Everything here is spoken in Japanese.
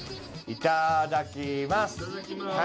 いただきます。